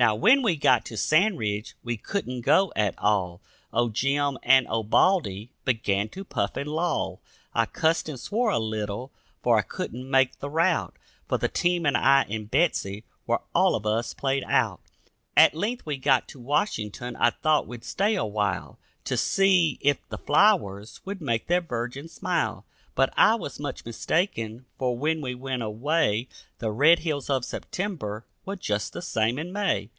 Now, when we got to Sand Ridge, we couldn't go at all, Old Jim and old Baldy began to puff and loll, I cussed and swore a little, for I couldn't make the route, For the team and I and Betsy were all of us played out. At length we got to Washington; I thought we'd stay a while To see if the flowers would make their virgin smile, But I was much mistaken, for when we went away The red hills of September were just the same in May.